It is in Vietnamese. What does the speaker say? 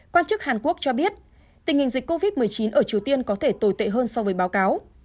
quan chức hàn quốc cho biết tình hình dịch covid một mươi chín ở triều tiên có thể tồi tệ hơn so với báo cáo